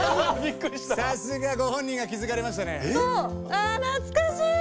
あ懐かしい！